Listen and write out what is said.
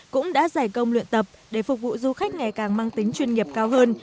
cũng đã giải công luyện tập để phục vụ du khách ngày càng mang tính chuyên nghiệp cao hơn